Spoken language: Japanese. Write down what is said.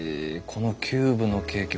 このキューブのケーキ